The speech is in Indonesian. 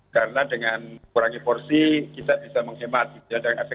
karena dengan mengurangi porsi kita bisa menghemat dengan efektif biaya mengurangi keborosan